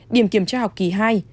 điểm kiểm tra học kỳ hai